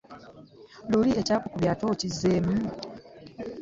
Luli ekyakukubya ate okizzeemu?